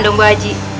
dong bu aji